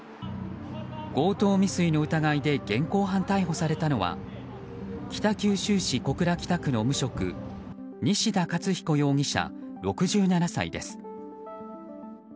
強盗未遂の疑いで現行犯逮捕されたのは北九州市小倉北区の無職西田克彦容疑者、６７歳です。